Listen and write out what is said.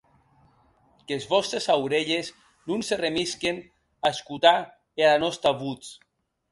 Qu’es vòstes aurelhes non se remisquen a escotar era nòsta votz.